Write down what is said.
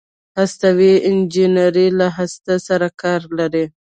هستوي انجنیری له هستو سره کار لري.